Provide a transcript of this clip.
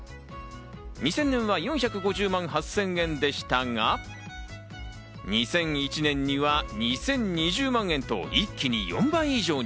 ２０００年は４５０万８０００円でしたが、２００１年には２０２０万円と、一気に４倍以上に。